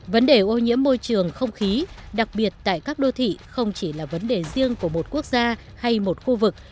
vấn đề ô nhiễm môi trường không khí đặc biệt tại các đô thị không chỉ là vấn đề riêng của một quốc gia hay một khu vực